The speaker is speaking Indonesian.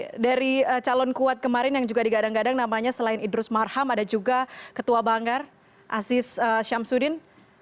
oke dari calon kuat kemarin yang juga digadang gadang namanya selain idrus marham ada juga ketua banggar aziz syamsuddin